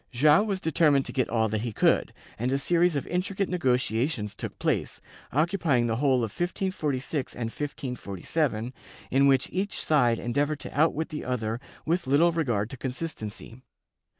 Joao was determined to get all that he could, and a series of intricate nego tiations took place, occupying the whole of 1546 and 1547, inwhich each side endeavored to outwit the other with little regard to con sistency.